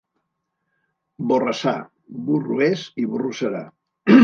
Borrassà, burro és i burro serà.